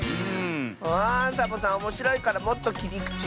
あサボさんおもしろいからもっときりくちみせて。